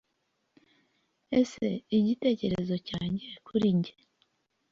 ese igitekerezo cyanjye kuri njye